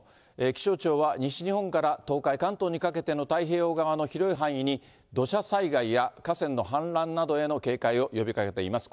気象庁は、西日本から東海、関東にかけての太平洋側の広い範囲に、土砂災害や河川の氾濫などへの警戒を呼びかけています。